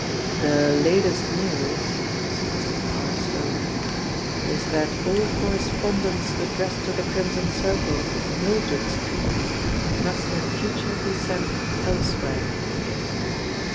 "The latest news," said Mr. Parr slowly, "is that all correspondence addressed to the Crimson Circle of Mildred Street must in future be sent elsewhere."